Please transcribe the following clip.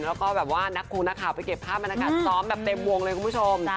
แล้วก็แบบว่านักคงนักข่าวไปเก็บภาพบรรยากาศซ้อมแบบเต็มวงเลยคุณผู้ชม